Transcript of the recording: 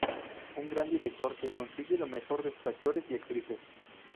Un gran director que consigue lo mejor de sus actores y actrices.